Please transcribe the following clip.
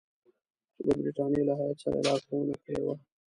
چې د برټانیې له هیات سره یې لارښوونه کړې وه.